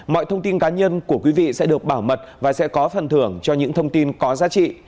mọi thông tin cá nhân của quý vị sẽ được bảo mật và sẽ có phần thưởng cho những thông tin có giá trị